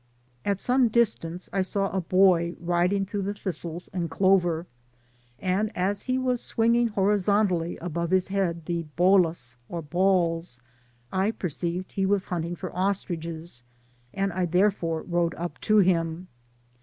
81 At some distance I saw a boy riding through the thistles and clover, and as he was swinging hori zontally above his head the bolas or balls, I per ceived he was hunting for ostriches, and I therefore rode up to him.